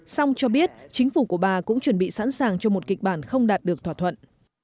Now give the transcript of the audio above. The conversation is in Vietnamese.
song cho biết chính phủ của bà cũng chuẩn bị sẵn sàng cho một kịch bản không đạt được thỏa thuận